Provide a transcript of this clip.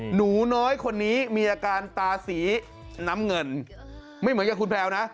หนูน้อยคนนี้มีอาการตาสีน้ำเงินไม่เหมือนกับคุณแพลวนะ